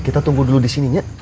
kita tunggu dulu disini nyet